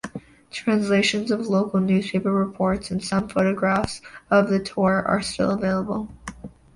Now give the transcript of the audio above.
Translations of local newspaper reports, and some photographs of the tour, are still available.